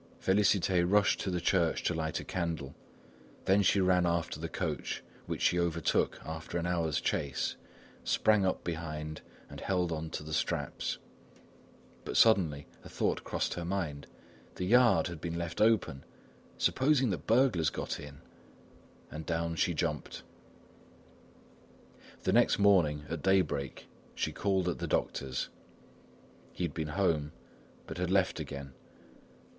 Félicité rushed to the church to light a candle. Then she ran after the coach which she overtook after an hour's chase, sprang up behind and held on to the straps. But suddenly a thought crossed her mind: "The yard had been left open; supposing that burglars got in!" And down she jumped. The next morning, at daybreak, she called at the doctor's. He had been home, but had left again.